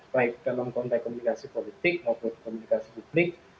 baik dalam konteks komunikasi politik maupun komunikasi publik